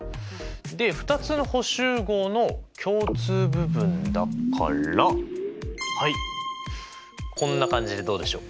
で２つの補集合の共通部分だからはいこんな感じでどうでしょう？